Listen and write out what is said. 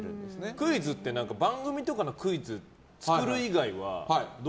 クイズって番組とかのクイズ作る以外は？